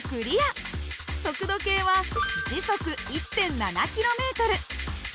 速度計は時速１．７ｋｍ。